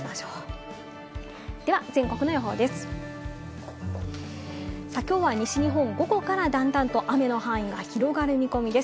きょうは西日本、午後から段々と雨の範囲が広がる見込みです。